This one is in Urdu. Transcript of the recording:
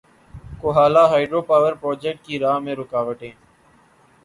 کوہالہ ہائیڈرو پاور پروجیکٹ کی راہ میں رکاوٹیں